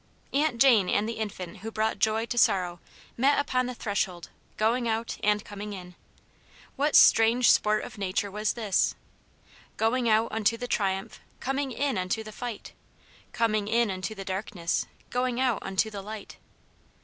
Aunt Jane and the infant who brought joy to sorrow " met upon the threshold, going out and coming in.'^ What strange sport of nature was this ?Going out unto the triumph, coming in unto the fight; Coming in unto the darkness, going out unto the light."